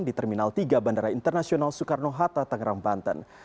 di terminal tiga bandara internasional soekarno hatta tangerang banten